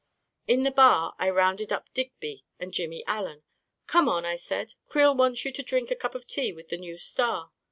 In the bar, I rounded up Digby and Jimmy Allen. 44 Come on," I said; " Creel wants you to drink a cup of tea with the new star."